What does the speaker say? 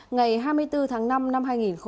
ngày hai mươi bốn tháng năm năm hai nghìn một mươi hai